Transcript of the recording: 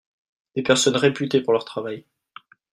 des personnes réputées pour leur travail.